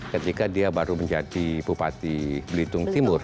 ketika dia baru menjadi bupati belitung timur